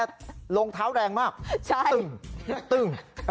สังเกตและลงเท้าแรงมาก